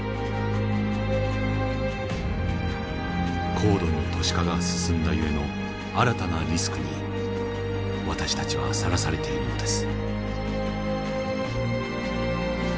高度に都市化が進んだゆえの新たなリスクに私たちはさらされているのです。